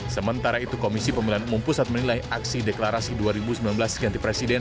sementara itu komisi pemilihan umum pusat menilai aksi deklarasi dua ribu sembilan belas ganti presiden